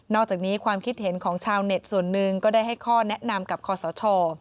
อกจากนี้ความคิดเห็นของชาวเน็ตส่วนหนึ่งก็ได้ให้ข้อแนะนำกับคอสช